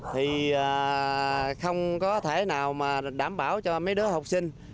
thì không có thể nào mà đảm bảo cho mấy đứa học sinh